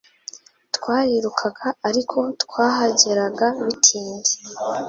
Twarirukaga ariko twahageraga bitinze